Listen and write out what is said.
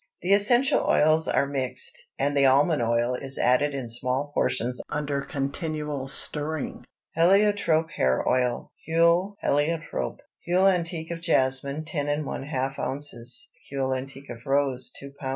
The essential oils are mixed, and the almond oil is added in small portions under continual stirring. HELIOTROPE HAIR OIL (HUILE HÉLIOTROPE). Huile antique of jasmine 10½ oz. Huile antique of rose 2 lb.